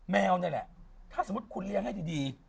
แมวนี่แหละถ้าสมมุติคุณเลี้ยงให้ดี